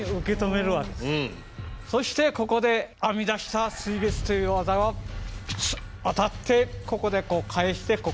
そしてここで編み出した水月という技は当たってここで返してここを突いたわけです。